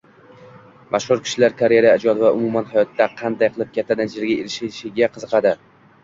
Mashhur kishilar karera, ijod va umuman hayotda qanday qilib katta natijalarga erishishiga qiziqadi